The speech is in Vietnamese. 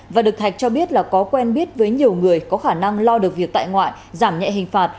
và được thạch cho biết là có quen biết với nhiều người có khả năng lo được việc tại ngoại giảm nhẹ hình phạt